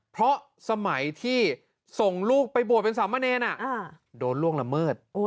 เพราะสมัยที่ส่งลูกไปบวชเป็นสามเณรโดนล่วงละเมิด